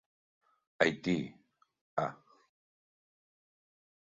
Haití, ah...